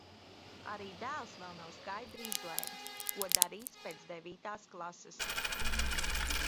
Arī dēls vēl nav skaidri izlēmis, ko darīs pēc devītās klases.